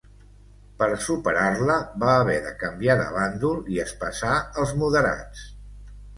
Per superar-la va haver de canviar de bàndol i es passà als moderats.